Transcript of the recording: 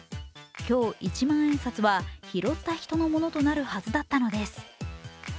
今日一万円札は拾った人のものとなるはずだったのです。